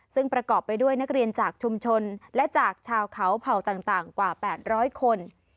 ซึ่งประกอบไปด้วยนักเรียนจากชุมชนและจากชาวเขาเผ่าต่างกว่า๘๐๐คน